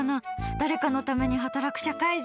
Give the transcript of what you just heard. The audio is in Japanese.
誰かのために働く社会人。